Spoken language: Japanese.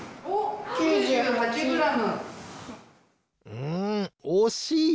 うんおしい！